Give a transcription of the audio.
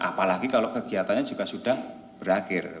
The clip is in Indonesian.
apalagi kalau kegiatannya juga sudah berakhir